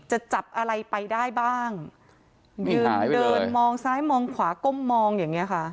จะจับอะไรไปได้บ้างยืนเดินมองซ้ายมองขวาก้มมองอย่างเงี้ค่ะ